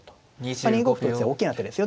まあ２五歩と打つのは大きな手ですよ。